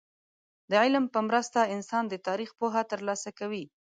د علم په مرسته انسان د تاريخ پوهه ترلاسه کوي.